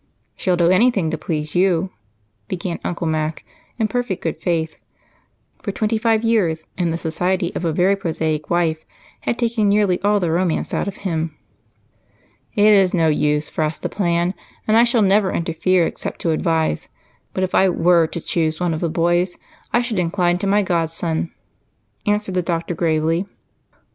"She'll do anything to please you," began Uncle Mac in perfect good faith, for twenty five years in the society of a very prosaic wife had taken nearly all the romance out of him. "It is of no use for us to plan, and I shall never interfere except to advise, and if I were to choose one of the boys, I should incline to my godson," answered the doctor gravely.